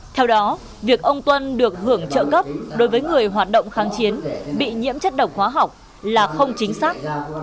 theo đó việc ông tuân được hưởng trợ cấp đối với người hoạt động kháng chiến bị nhiễm chất độc hóa học là không chính xác